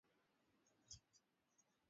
ya ajabu na usiku wa mahiri Ukosefu